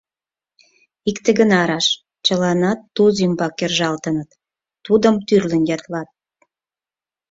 Икте гына раш: чыланат Туз ӱмбак кержалтыныт, тудым тӱрлын ятлат.